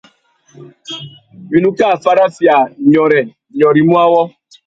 Winú kā farafia nyôrê, nyôrê i mú awô.